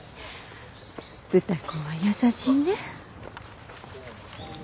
歌子は優しいね。